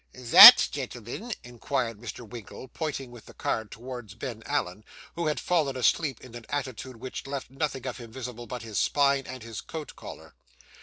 '_That _gentleman?' inquired Mr. Winkle, pointing with the card towards Ben Allen, who had fallen asleep in an attitude which left nothing of him visible but his spine and his coat collar.